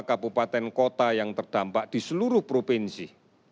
empat ratus lima kabupaten kota yang terdampak di seluruh provinsi